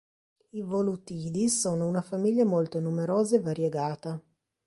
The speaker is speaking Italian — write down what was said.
I Volutidi sono una famiglia molto numerosa e variegata.